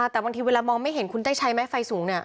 แต่บางทีเวลามองไม่เห็นคุณได้ใช้ไหมไฟสูง